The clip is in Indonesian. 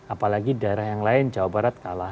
apalagi daerah yang lain jawa barat kalah